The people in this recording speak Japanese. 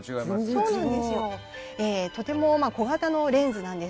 そうなんですよ。